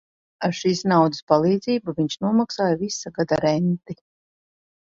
Ar šīs naudas palīdzību viņš nomaksāja visa gada renti.